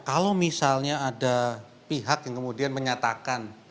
kalau misalnya ada pihak yang kemudian menyatakan